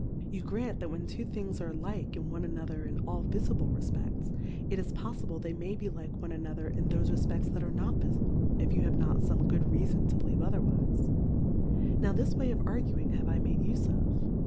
You grant, that when two things are like one ano ther in all vifible refpeSs, it is pofEble they may be like one another in thofe Refpects that are not vifible, if you have not fome good Reafon to believe other wife : Now this way of arguing have I made ufe of.